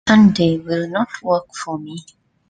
Sunday will not work for me.